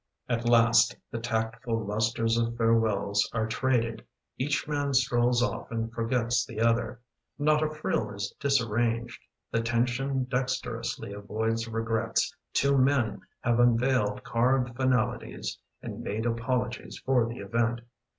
At last the tactful lustres of farewells Are traded: each man strolls off and forgets The other — not a frill is disarranged. The tension dexterously avoids regrets. Two men have unveiled carved finalities And made apologies for the event.